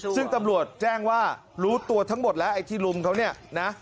ซึ่งตำรวจแจ้งว่ารู้ตัวทั้งหมดแล้วไอ้ที่ลุมเขาเนี่ยนะ